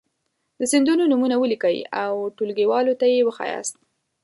د سیندونو نومونه ولیکئ او ټولګیوالو ته یې وښایاست.